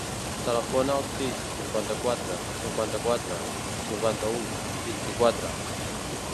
Telefona al sis, cinquanta-quatre, cinquanta-quatre, cinquanta-u, vint-i-quatre.